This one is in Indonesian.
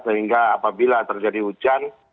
sehingga apabila terjadi hujan